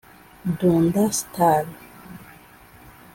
Dunda Star